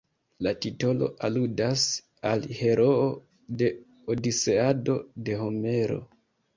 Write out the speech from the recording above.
La titolo aludas al heroo de "Odiseado" de Homero.